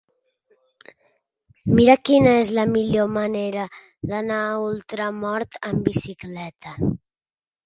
Mira'm quina és la millor manera d'anar a Ultramort amb bicicleta.